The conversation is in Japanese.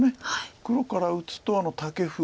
黒から打つとタケフ。